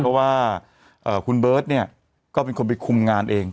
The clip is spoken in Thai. เพราะว่าคุณเบิ๊ดก็เป็นคนไปคุมงานเอง